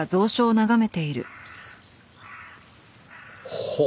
ほう。